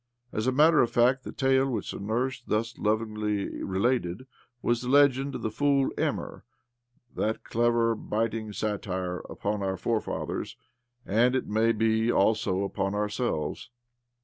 As a matter of fact, the tale which the nurse thus lovingly related was the legend of the fool Emel — that clever, biting satire upon our forefathers and, it may be, also upon our selves.